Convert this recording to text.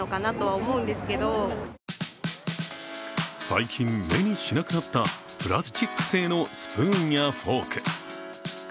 最近、目にしなくなったプラスチック製のスプーンやフォーク。